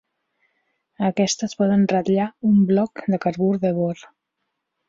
Aquestes, poden ratllar un bloc de carbur de bor.